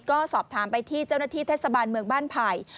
ก็สอบถามไปที่เจ้าหน้าที่เทศบาลเมืองบ้านไผ่